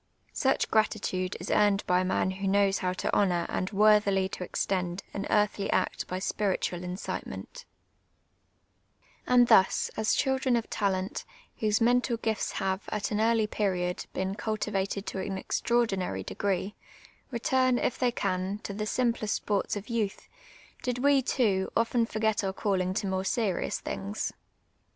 Such gratitude is earned by a man wlu) knows how to honour and worthily to extcud au earthly act by 8i)iiitual incitement. HISTORY OF THE TMPEniAL CIIAMnER. 455 And thus, as children of talent, Avhose mental pifis have, at an eaily ixriod, been exdlivated to im extraordinary de;;rec, rctuni, if they can, to the simplest sports of youth, did we, too, often f()r^:et our calling to more serious thinj^.